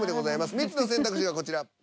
３つの選択肢がこちら。